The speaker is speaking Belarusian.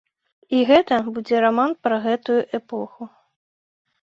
І гэта будзе раман пра гэтую эпоху.